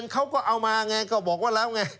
เขาก็เอามาไงก็บอกว่าแล้วไง